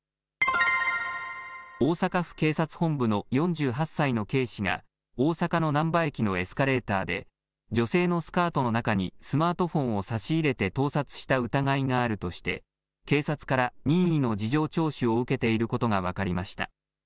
大阪府警察本部の４８歳の警視が、大阪のなんば駅のエスカレーターで、女性のスカートの中にスマートフォンを差し入れて盗撮した疑いがあるとして、警察から任意の事情聴取を受けていることが分かりました。